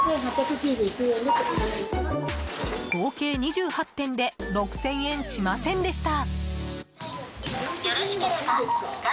合計２８点で６０００円しませんでした。